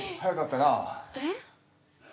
えっ？